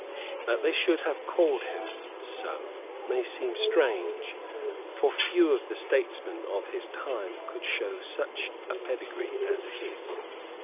That they should have called him so may seem strange; for few of the statesmen of his time could show such a pedigree as his.